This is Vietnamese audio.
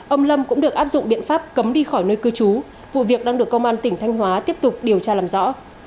ông lâm cũng được áp dụng biện pháp cấm đi khỏi nơi cư trú vụ việc đang được công an tỉnh thanh hóa tiếp tục điều tra làm rõ